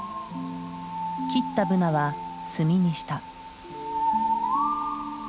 切ったブナは炭にした。